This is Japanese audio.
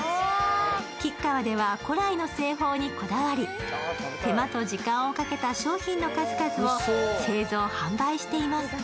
きっかわでは古来の製法にこだわり、手間と時間をかけた商品の数々を製造・販売しています。